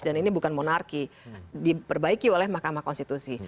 dan ini bukan monarki diperbaiki oleh makam konstitusi